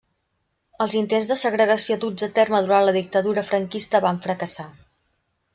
Els intents de segregació duts a terme durant la dictadura Franquista van fracassar.